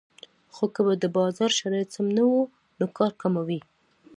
خو که د بازار شرایط سم نه وو نو کار کموي